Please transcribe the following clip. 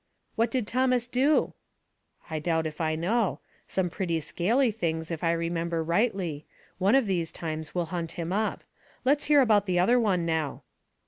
" What did Thomas do ?" I doubt if I know. Some pretty scaly things, if I remember rightly. One of these times we'll hunt him up. Let's hear about the other one now."